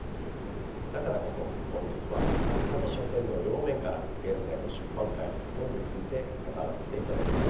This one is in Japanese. だからこそ本日は作家と書店の両面から現在の出版界本について語らせていただきます。